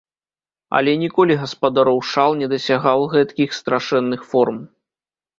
Але ніколі гаспадароў шал не дасягаў гэткіх страшэнных форм.